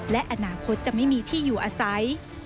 และอนาคตจะไม่มีที่อยู่อาศัย